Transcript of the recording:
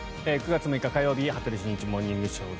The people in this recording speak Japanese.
９月６日、火曜日「羽鳥慎一モーニングショー」。